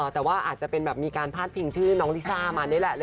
แต่ว่าอาจจะเป็นแบบมีการพาดพิงชื่อน้องลิซ่ามานี่แหละ